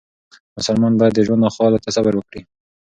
مسلمانان باید د ژوند ناخوالو ته صبر وکړي.